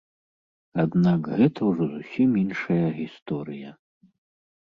Аднак гэта ўжо зусім іншая гісторыя.